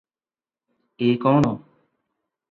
ଏ କଣ?